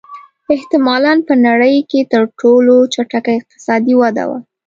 احتمالًا په نړۍ کې تر ټولو چټکه اقتصادي وده وه.